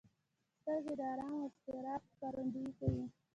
سترګې د ارام او اضطراب ښکارندويي کوي